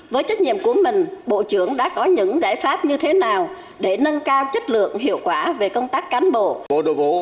với trách nhiệm của mình bộ trưởng đã có những giải pháp như thế nào để nâng cao chất lượng hiệu quả về công tác cán bộ